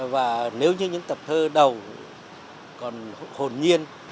và nếu như những tập thơ đầu còn hồn nhiên